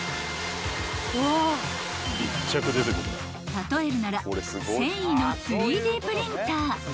［例えるなら繊維の３Ｄプリンター］